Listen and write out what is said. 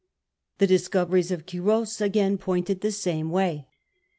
The discoveries of Quiros again pointed the same way.